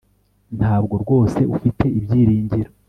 Ntabwo rwose ufite ibyiringiro